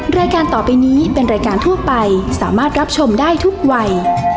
รายการต่อไปนี้เป็นรายการทั่วไปสามารถรับชมได้ทุกวัย